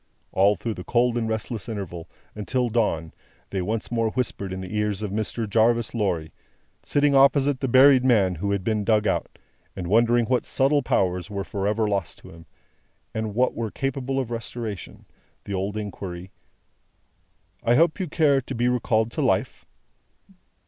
All through the cold and restless interval, until dawn, they once more whispered in the ears of Mr. Jarvis Lorry sitting opposite the buried man who had been dug out, and wondering what subtle powers were for ever lost to him, and what were capable of restoration the old inquiry: "I hope you care to be recalled to life?"